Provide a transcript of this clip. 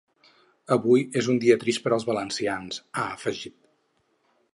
Avui és un dia trist per als valencians, ha afegit.